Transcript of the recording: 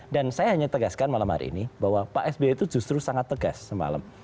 saya hanya tegaskan malam hari ini bahwa pak sby itu justru sangat tegas semalam